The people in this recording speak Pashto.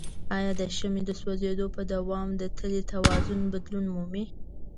آیا د شمع د سوځیدو په دوام د تلې توازن بدلون مومي؟